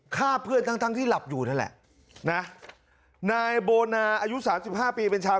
ฆ่าเพื่อนทั้งทั้งที่หลับอยู่นั่นแหละนะนายโบนาอายุสามสิบห้าปีเป็นชาว